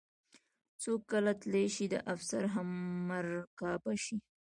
څوک کله تلی شي د افسر همرکابه شي.